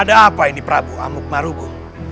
kenapa bisa bekerja sepenuhnya